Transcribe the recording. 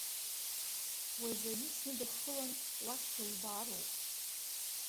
Уажәы аҩны сныдыххылан, уахь сылбаароуп.